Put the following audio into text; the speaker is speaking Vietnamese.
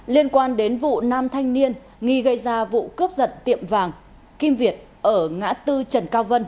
liên quan đến vụ nam thanh niên nghi gây ra vụ cướp giật tiệm vàng kim việt ở ngã tư trần cao vân